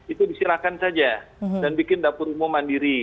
itu disirahkan saja dan bikin dapur umum mandiri